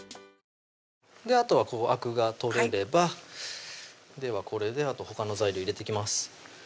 あとはあくが取れればではこれであとほかの材料入れていきます